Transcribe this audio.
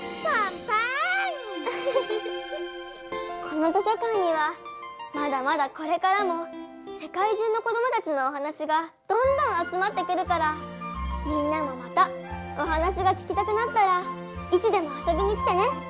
この図書かんにはまだまだこれからもせかい中のこどもたちのおはなしがどんどんあつまってくるからみんなもまたおはなしが聞きたくなったらいつでもあそびに来てね。